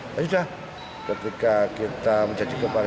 tapi sudah ketika kita menjadi kepala